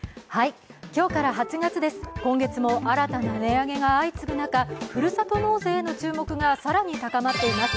今日から８月です、今月も新たな値上げが相次ぐ中ふるさと納税への注目が更に高まっています。